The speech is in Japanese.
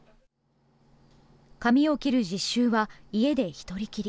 髪を切る実習は家で一人きり。